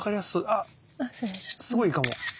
あっすごいいいかも。